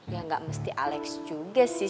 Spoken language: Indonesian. ya nggak mesti alex juga sih